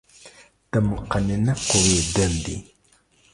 د مقننه قوې دندې